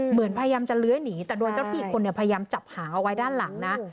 เหมือนพยายามจะเลื้อยหนีแต่โดยเจ้าพี่คนเนี่ยพยายามจับหาเอาไว้ด้านหลังนะ